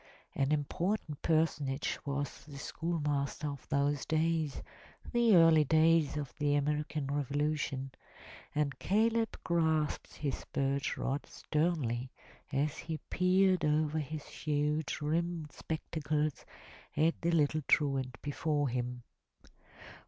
An important personage was the schoolmaster of those days — the early days of the American Revolution, — and Caleb grasped his birch rod sternly as he peered over his huge rimmed spectacles at the little truant before him.